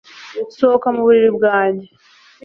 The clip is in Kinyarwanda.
Sohoka mu buriri bwanjye